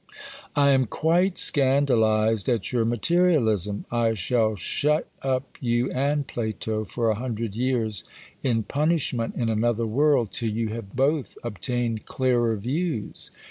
I am quite scandalized at your materialism. (I shall shut up you and Plato for a hundred years in punishment in another world till you have both obtained clearer views.)